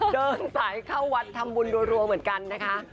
เดินสายเข้าวัดทำบุญรัวเหมือนกันนะคะ